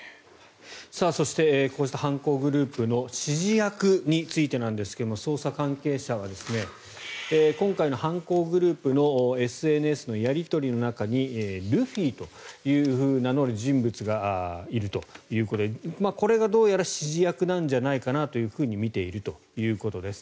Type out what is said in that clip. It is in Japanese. そしてこうした犯行グループの指示役についてですが捜査関係者は今回の犯行グループのＳＮＳのやり取りの中にルフィと名乗る人物がいるということでこれがどうやら指示役なんじゃないかなとみているということです。